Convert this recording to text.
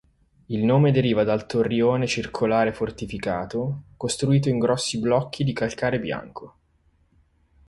Il nome deriva dal torrione circolare fortificato costruito in grossi blocchi di calcare bianco.